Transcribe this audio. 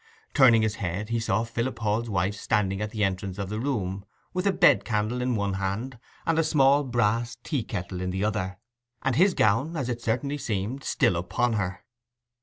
Turning his head he saw Philip Hall's wife standing at the entrance of the room with a bed candle in one hand, a small brass tea kettle in the other, and his gown, as it certainly seemed, still upon her.